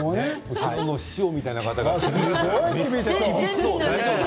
後ろの師匠みたいな方が厳しそう。